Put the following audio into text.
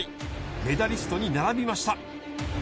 メダリストに並びました。